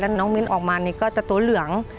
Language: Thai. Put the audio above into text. น้องมิ้นออกมานี่ก็จะตัวเหลือง